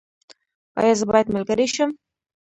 ایا زه باید ملګری شم؟